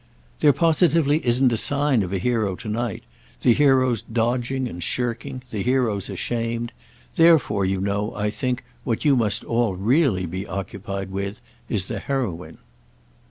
"There positively isn't a sign of a hero to night; the hero's dodging and shirking, the hero's ashamed. Therefore, you know, I think, what you must all really be occupied with is the heroine."